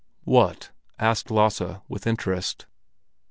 "What?" asked Lasse, with interest.